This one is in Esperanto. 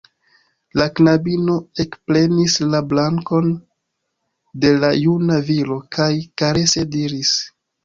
La knabino ekprenis la brakon de la juna viro kaj karese diris: